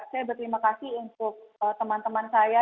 saya berterima kasih untuk teman teman saya